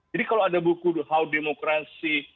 jadi kalau ada buku how democracy